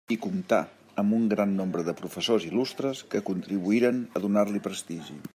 I comptà amb un gran nombre de professors il·lustres que contribuïren a donar-li prestigi.